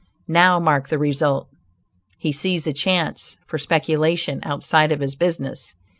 Now mark the result. He sees a chance for speculation outside of his business.